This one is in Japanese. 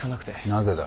なぜだ？